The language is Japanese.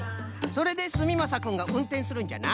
それですみまさくんがうんてんするんじゃな。